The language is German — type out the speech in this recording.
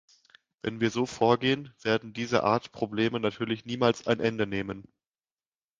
Wenn wir so vorgehen, werden diese Art Probleme natürlich niemals ein Ende nehmen.